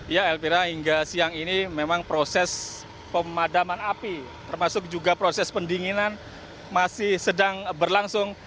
ya elvira hingga siang ini memang proses pemadaman api termasuk juga proses pendinginan masih sedang berlangsung